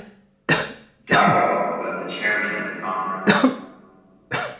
Darrow was chairman of the conference.